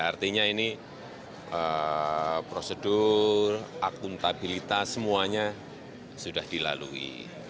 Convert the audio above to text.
artinya ini prosedur akuntabilitas semuanya sudah dilalui